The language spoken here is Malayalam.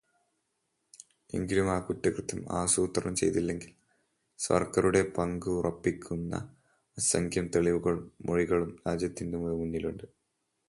എങ്കിലും ആ കുറ്റകൃത്യം ആസൂത്രണം ചെയ്തതിൽ സവർക്കറുടെ പങ്കുറപ്പിക്കുന്ന അസംഖ്യം തെളിവുകളും മൊഴികളും രാജ്യത്തിന്റെ മുന്നിലുണ്ട്.